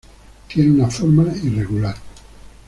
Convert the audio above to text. Tienen una forma irregular.